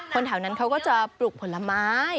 แถวนั้นเขาก็จะปลูกผลไม้